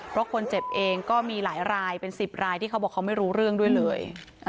เพราะคนเจ็บเองก็มีหลายรายเป็น๑๐รายที่เขาบอกเขาไม่รู้เรื่องด้วยเลย